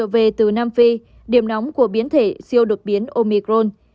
về từ nam phi điểm nóng của biến thể siêu đột biến omicron